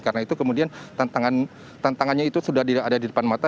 karena itu kemudian tantangannya itu sudah ada di depan mata